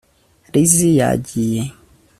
Lizzie yagiye